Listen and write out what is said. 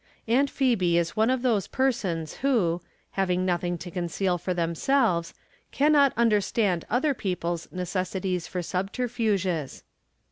Aunt Phebe is one of those persons who, hav ing nothing to conceal for themselves, can not understand other people's necessities for subter fuges.